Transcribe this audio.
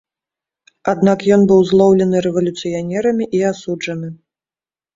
Аднак ён быў злоўлены рэвалюцыянерамі і асуджаны.